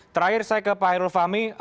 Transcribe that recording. terakhir saya ke pak hairul fahmi